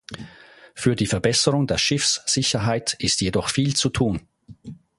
Für die Verbesserung der Schiffssicherheit ist jedoch viel zu tun.